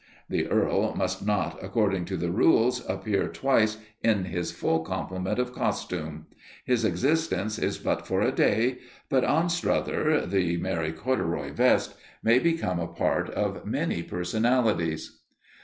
The Earl must not, according to the rules, appear twice in his full complement of costume. His existence is but for a day, but Anstruther, the merry corduroy vest, may become a part of many personalities.